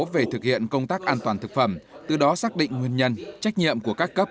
về thực hiện công tác an toàn thực phẩm từ đó xác định nguyên nhân trách nhiệm của các cấp